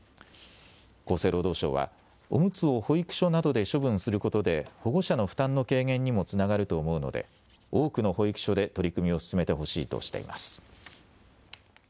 厚生労働省はおむつを保育所などで処分することで保護者の負担の軽減にもつながると思うので多くの保育所で取り組みを進めてほしいとしています。